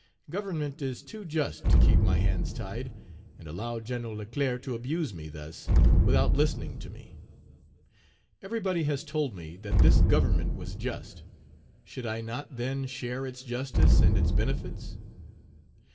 Government is too just to keep my hands tied, and allow Gen. Leclerc to abuse me thus, without listening to me. Everybody has told me that this Government was just; should I not, then, share its justice and its benefits?